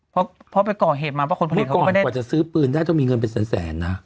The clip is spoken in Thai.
เพราะไปก่อเหตุมาเพราะคนผลิตโกงไม่ได้กว่าจะซื้อปืนได้ต้องมีเงินเป็นแสนนะ